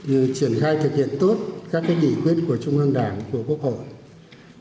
để triển khai thực hiện tốt các cái dị quyết của trung ương đảng của quốc hội